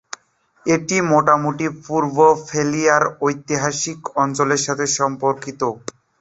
এটি মোটামুটিভাবে পূর্বফালিয়ার ঐতিহাসিক অঞ্চলের সাথে সম্পর্কিত।